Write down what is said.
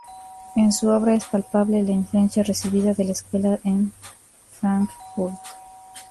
En su obra es palpable la influencia recibida de la Escuela de Frankfurt.